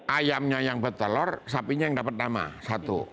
ayamnya yang bertelur sapinya yang dapat nama satu